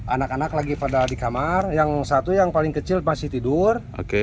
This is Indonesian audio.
anak anak lagi pada di kamar yang satu yang paling kecil masih tidur